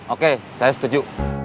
oke saya setuju